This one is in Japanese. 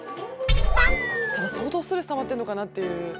ただ相当ストレスたまってるのかなっていう。